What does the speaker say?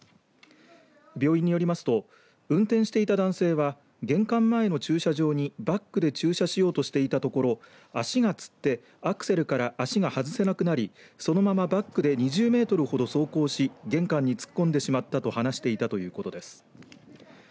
病院によりますと運転していた男性は玄関前の駐車場にバックで駐車しようとしていたところ、足がつってアクセルから足が外せなくなりそのままバックで２０メートルほど走行し玄関に突っ込んでしまったと話していたということです。